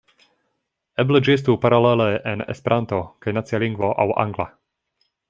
Eble ĝi estu paralele en Esperanto kaj nacia lingvo aŭ angla.